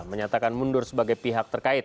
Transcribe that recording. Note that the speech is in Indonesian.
menyatakan mundur sebagai pihak